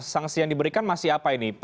sanksi yang diberikan masih apa ini